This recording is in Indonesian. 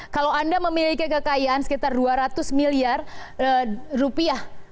kalau anda memiliki kekayaan sekitar dua ratus miliar rupiah